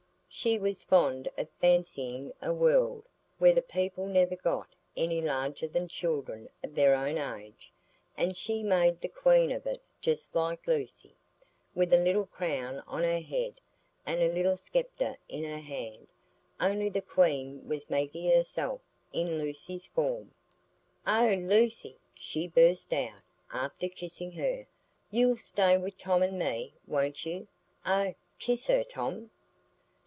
She was fond of fancying a world where the people never got any larger than children of their own age, and she made the queen of it just like Lucy, with a little crown on her head, and a little sceptre in her hand—only the queen was Maggie herself in Lucy's form. "Oh, Lucy," she burst out, after kissing her, "you'll stay with Tom and me, won't you? Oh, kiss her, Tom."